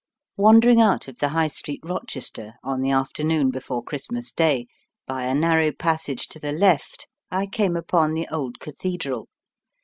Wandering out of the High Street, Rochester, on the afternoon before Christmas Day, by a narrow passage to the left I came upon the old Cathedral.